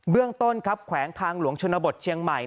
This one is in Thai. เรื่องต้นครับแขวงทางหลวงชนบทเชียงใหม่